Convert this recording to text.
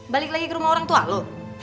balik lagi ke rumah orang tua loh